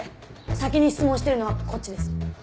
先に質問してるのはこっちです。